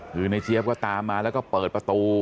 คือในเจี๊ยบก็ตามมาแล้วก็เปิดประตู